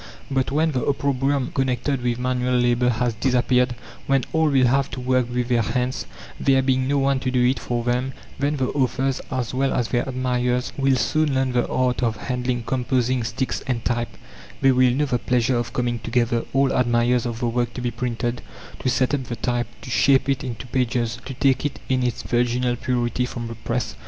But when the opprobrium connected with manual labor has disappeared, when all will have to work with their hands, there being no one to do it for them, then the authors as well as their admirers will soon learn the art of handling composing sticks and type; they will know the pleasure of coming together all admirers of the work to be printed to set up the type, to shape it into pages, to take it in its virginal purity from the press.